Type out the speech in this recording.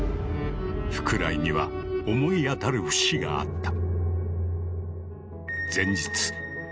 福来には思い当たる節があった。